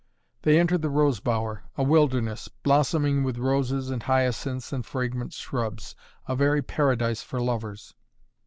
They entered the rose bower, a wilderness, blossoming with roses and hyacinths and fragrant shrubs a very paradise for lovers.